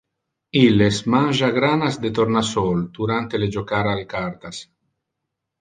Illes mangia granas de tornasol durante le jocar al cartas.